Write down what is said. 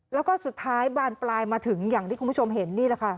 แล้วก็สุดท้ายบานปลายมาถึงอย่างที่คุณผู้ชมเห็นนี่แหละค่ะ